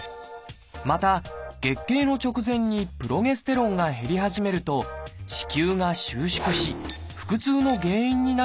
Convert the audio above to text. また月経の直前にプロゲステロンが減り始めると子宮が収縮し腹痛の原因になることもあります。